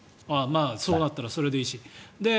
そうだったらそれでいいし。